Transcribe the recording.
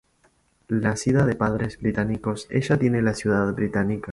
Nacida de padres británicos ella tiene la ciudadanía británica.